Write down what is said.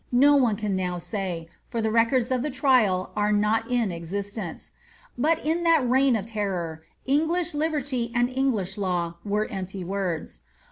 197 pdltT no one can now saj, for the records of the trial are not in exist ence ; but in that reign of terror, English liberty and English law were empty words.